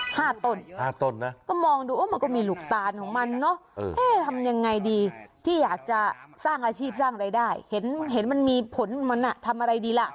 ห้าต้นห้าต้นนะก็มองดูว่ามันก็มีหลุกตาลของมันเนอะเอ้ย